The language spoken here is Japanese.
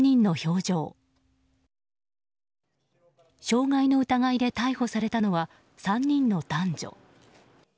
傷害の疑いで逮捕されたのは３人の男女。